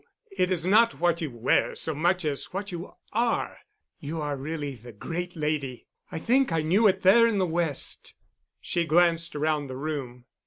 It is not what you wear so much as what you are. You are really the great lady. I think I knew it there in the West." She glanced around the room.